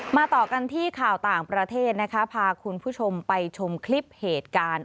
ต่อกันที่ข่าวต่างประเทศนะคะพาคุณผู้ชมไปชมคลิปเหตุการณ์